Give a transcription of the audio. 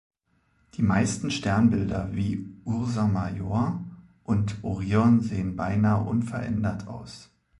Die meisten Sternbilder wie Ursa Major und Orion sehen beinahe unverändert aus.